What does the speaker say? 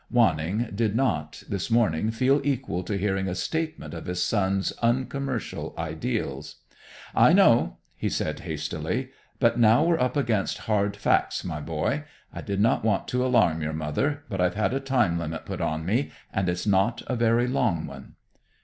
Wanning did not, this morning, feel equal to hearing a statement of his son's uncommercial ideals. "I know," he said hastily. "But now we're up against hard facts, my boy. I did not want to alarm your mother, but I've had a time limit put on me, and it's not a very long one."